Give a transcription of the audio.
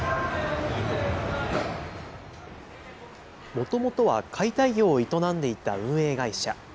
もともとは解体業を営んでいた運営会社。